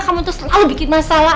kamu tuh selalu bikin masalah